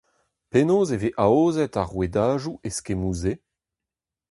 Penaos e veze aozet ar rouedadoù eskemmoù-se ?